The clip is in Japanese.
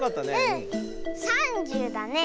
３０だね。